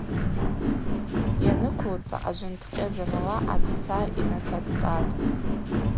Йаныквылцӏа ажвынткъьы зынла ацца йнататӏтӏатӏ.